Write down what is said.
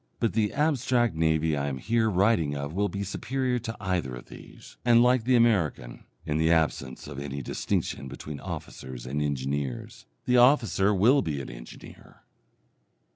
But the abstract navy I am here writing of will be superior to either of these, and like the American, in the absence of any distinction between officers and engineers. The officer will be an engineer.